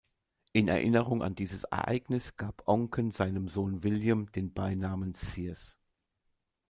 In Erinnerung an dieses Ereignis gab Oncken seinem Sohn William den Beinamen "Sears".